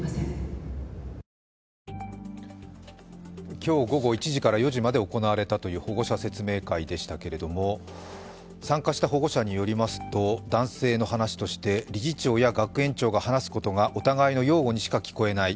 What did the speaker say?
今日午後１時から４時まで行われたという保護者説明会でしたけれども、参加した保護者によりますと男性の話として理事長や学園長が、話すことがお互いの用語にしか聞こえない。